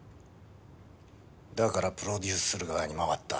だからプロデュースする側に回った。